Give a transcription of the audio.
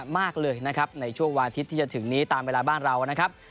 มากเลยนะครับในช่วงวันอาทิตย์ที่จะถึงนี้ตามเวลาบ้านเรานะครับ